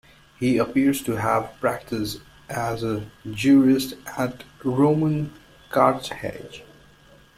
He appears to have practiced as a jurist at Roman Carthage.